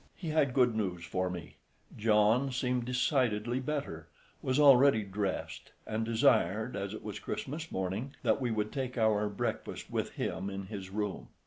He had good news for me: John seemed decidedly better, was already dressed, and desired, as it was Christmas morning, that we would take our breakfast with him in his room.